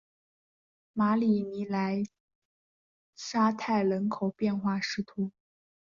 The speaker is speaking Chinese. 马里尼莱沙泰人口变化图示